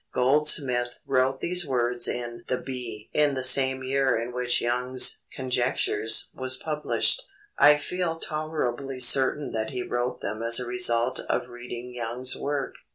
Goldsmith wrote these words in The Bee in the same year in which Young's Conjectures was published. I feel tolerably certain that he wrote them as a result of reading Young's work.